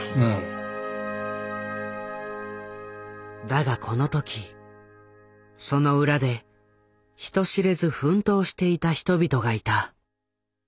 だがこのときその裏で人知れず奮闘していた人々がいた。